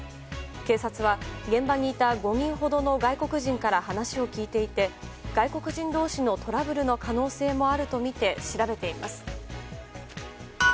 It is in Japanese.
警察は現場にいた５人ほどの外国人から話を聞ていて外国人同士のトラブルの可能性もあるとみて調べています。